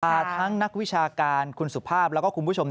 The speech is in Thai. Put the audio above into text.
ทั้งนักวิชาการคุณสุภาพแล้วก็คุณผู้ชม